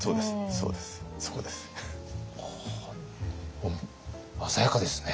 そうですね。